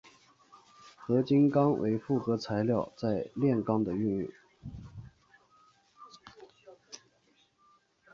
合金钢为复合材料在炼钢的运用。